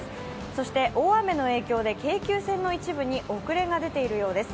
そして大雨の影響で京急線の一部に遅れが出ているようです。